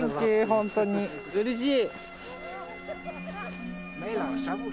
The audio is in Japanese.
本当にうれしい。